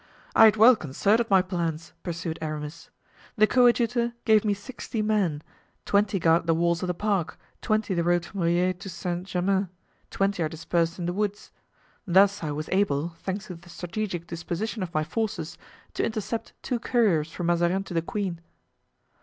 "I had well concerted my plans," pursued Aramis; "the coadjutor gave me sixty men; twenty guard the walls of the park, twenty the road from Rueil to Saint Germain, twenty are dispersed in the woods. Thus I was able, thanks to the strategic disposition of my forces, to intercept two couriers from Mazarin to the queen."